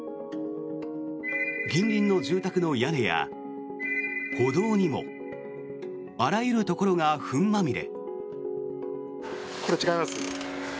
近隣の住宅の屋根や歩道にもあらゆるところがフンまみれ。